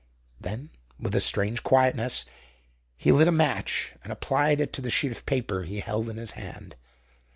Then, with a strange quietness, he lit a match and applied it to the sheet of paper he held in his hand.